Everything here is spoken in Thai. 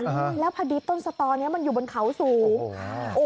นี่แล้วพอดีต้นสตอนี้มันอยู่บนเข้าสูโอ้โหมากอ่ะ